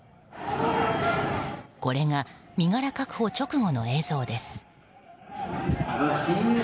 これが身柄確保直後の映像です。